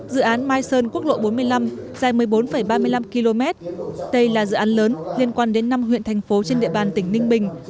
dự án mai sơn quốc lộ bốn mươi năm dài một mươi bốn ba mươi năm km đây là dự án lớn liên quan đến năm huyện thành phố trên địa bàn tỉnh ninh bình